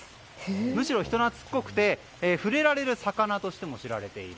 むしろ人懐っこくて触れられる魚としても知られている。